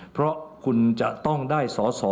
เพราะคุณจะต้องได้สอสอ